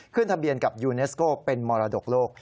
ทะเบียนกับยูเนสโก้เป็นมรดกโลก